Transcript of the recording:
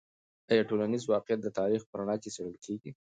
آیا ټولنیز واقعیت د تاریخ په رڼا کې څیړل کیږي؟